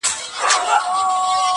ليکوال ژور نقد وړلاندي کوي ډېر,